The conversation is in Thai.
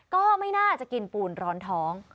ก็ไม่น่าจะกินปูนร้อนท้อง